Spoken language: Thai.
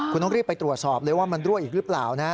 คุณต้องรีบไปตรวจสอบเลยว่ามันรั่วอีกหรือเปล่านะ